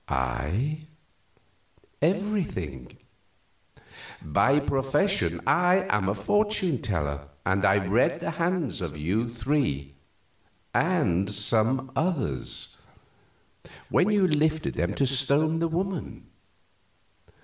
"I? Everything. By profession I am a fortune teller, and I read the hands of you three and some others when you lifted them to stone the woman.